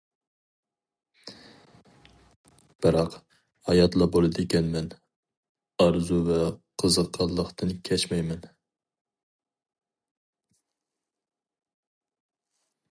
بىراق، ھاياتلا بولىدىكەنمەن، ئارزۇ ۋە قىزىققانلىقتىن كەچمەيمەن.